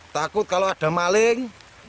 takut kalau ada maling